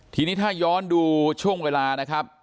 ทีนี้ถ้าย้อนดูช่วงเวลานะครับ